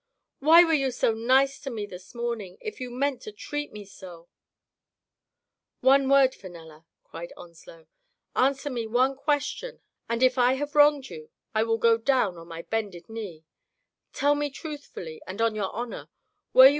Why were you so nice to me this morning, if you meant to treat me so ?" "One word, Fenella," cried Onslow. "An swer me one question, and if I have wronged you I will go down on my bended knees to you.